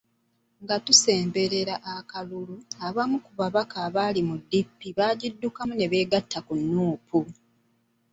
Nga tusemberera akalulu abamu ku babaka abaali mu DP baagiddukamu ne beegatta Nuupu.